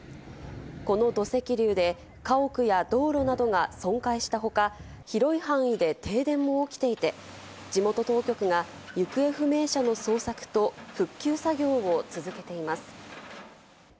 この土石流で家屋や道路などが損壊した他、広い範囲で停電も起きていて、地元当局が行方不明者の捜索と復旧作業を続けています。